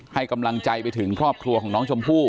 ให้กำลังใจไปถึงครอบครัวของน้องชมพู่